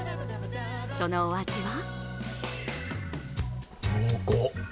そのお味は？